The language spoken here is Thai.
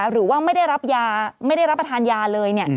หรือว่าไม่ได้รับยาไม่ได้รับประทานยาเลย